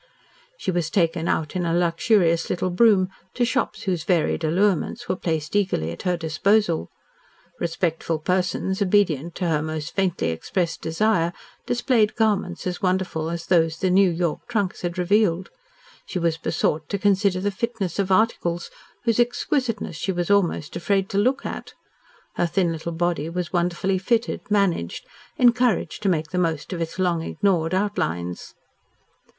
She was taken out in a luxurious little brougham to shops whose varied allurements were placed eagerly at her disposal. Respectful persons, obedient to her most faintly expressed desire, displayed garments as wonderful as those the New York trunks had revealed. She was besought to consider the fitness of articles whose exquisiteness she was almost afraid to look at. Her thin little body was wonderfully fitted, managed, encouraged to make the most of its long ignored outlines.